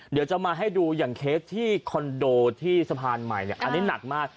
เดี๋ยวจะมาให้ดูอย่างเคสที่คอนโดที่สะพานใหม่เนี่ยอันนี้หนักมาก